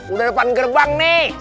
udah depan gerbang nih